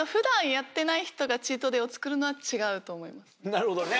なるほどね。